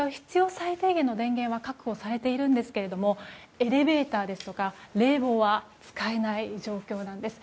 最低限の電源は確保されていますがエレベーターですとか冷房は使えない状況なんです。